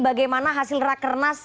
bagaimana hasil raker nas